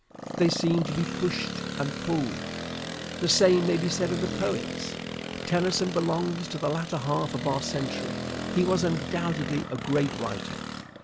They seem to be pushed and pulled. The same may be said of the poets. Tennyson belongs to the latter half of our century. He was undoubtedly a great writer.